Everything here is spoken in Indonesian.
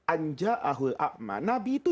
anja ahul a'ma nabi itu